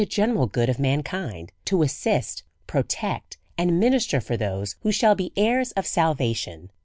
general good of mankind, to assist, pro tect, and minister for those who shall be heirs of sal vation.